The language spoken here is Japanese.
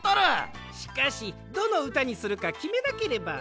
しかしどのうたにするかきめなければ。